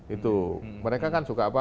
itu mereka kan suka apa